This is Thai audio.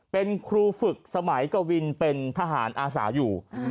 เป็นครูฝึกสมัยกวินเป็นทหารอาสาอยู่